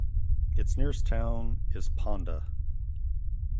Its nearest town is Ponda.